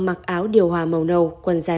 mặc áo điều hòa màu nâu quần dài